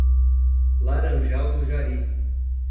Laranjal do Jari